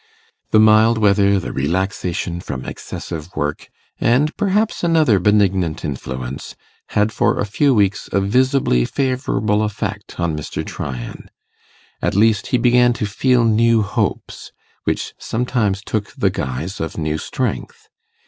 The mild weather, the relaxation from excessive work, and perhaps another benignant influence, had for a few weeks a visibly favourable effect on Mr. Tryan. At least he began to feel new hopes, which sometimes took the guise of new strength.